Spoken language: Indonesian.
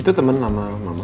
itu temen lama mama